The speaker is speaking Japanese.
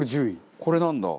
これなんだ。